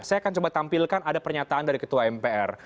saya akan coba tampilkan ada pernyataan dari ketua mpr